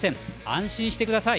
安心してください。